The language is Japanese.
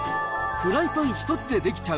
フライパン一つで出来ちゃう